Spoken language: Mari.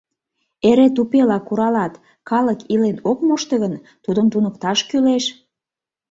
Эре тупела куралат, калык илен ок мошто гын, тудым туныкташ кӱлеш...